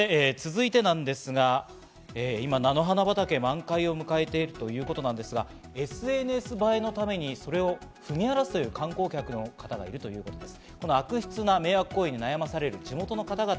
続いてなんですが、今、菜の花畑、満開を迎えているということですがＳＮＳ映えのために、それを踏み荒らす観光客の方がいるということです。